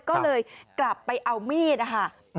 ก็เลยกลับไปเอามีดนะคะ